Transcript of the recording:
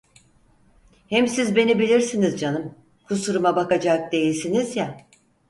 Hem siz beni bilirsiniz canım, kusuruma bakacak değilsiniz ya!